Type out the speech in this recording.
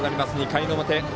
２回の表。